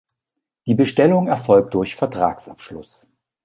Die Bestellung erfolgt durch Vertragsabschluss.